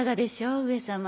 上様。